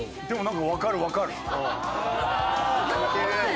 でもなんかわかるわかる。